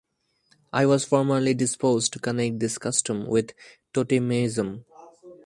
I was formerly disposed to connect this custom with totemism.